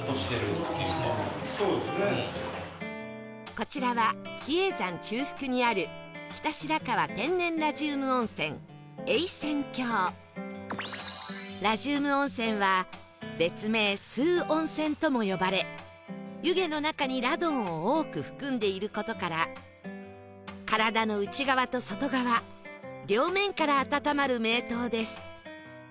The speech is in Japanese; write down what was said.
こちらは比叡山中腹にあるラジウム温泉は別名「吸う温泉」とも呼ばれ湯気の中にラドンを多く含んでいる事から体の内側と外側両面から温まる名湯です